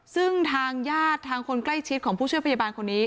ซึ่งทางญาติทางคนใกล้ชิดของผู้ช่วยพยาบาลคนนี้